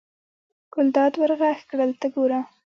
ګلداد ور غږ کړل: ته ګوره.